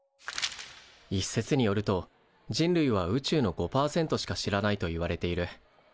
一説によると人類は宇宙の５％しか知らないといわれている。